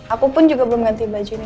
aku pun juga belum ganti baju ini